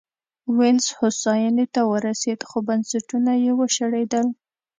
وینز هوساینې ته ورسېد خو بنسټونه یې وشړېدل